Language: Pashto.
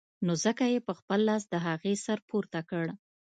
نو ځکه يې په خپل لاس د هغې سر پورته کړ.